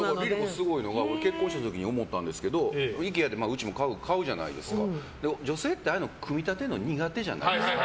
すごいのは、俺結婚した時に思ったんですけどＩＫＥＡでうちも家具買うじゃないですか女性ってああいうの組み立てるの苦手じゃないですか？